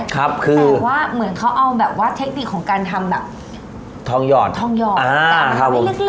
แต่ว่าเขาเอาเทคนิคของการทำทองหยอดกล้ามไว้เล็ก